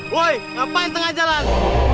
woi ngapain tengah jalan